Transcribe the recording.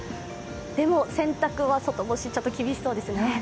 でも、洗濯は外干しちょっと厳しそうですね。